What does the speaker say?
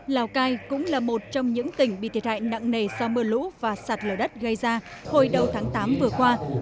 lào cai cũng là một trong những tỉnh bị thiệt hại nặng nề do mưa lũ và sạt lở đất gây ra hồi đầu tháng tám vừa qua